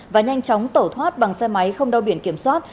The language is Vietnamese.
và nhanh chóng tẩu thoát bằng xe máy không đau biển kiểm soát